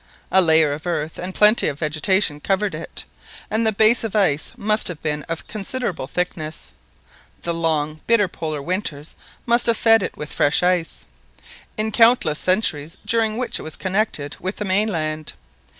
A layer of earth and plenty of vegetation covered it, and the base of ice must have been of considerable thickness. The long bitter Polar winters must have "fed it with fresh ice," in the countless centuries during which it was connected with the mainland.